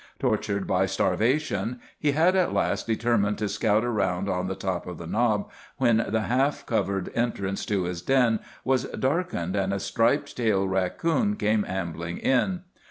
Tortured by starvation, he had at last determined to scout around on the top of the knob, when the half covered entrance to his den was darkened and a striped tail raccoon came ambling in.